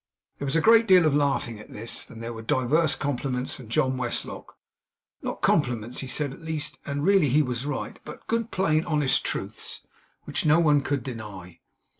There was a great deal of laughing at this, and there were divers compliments from John Westlock not compliments HE said at least (and really he was right), but good, plain, honest truths, which no one could deny.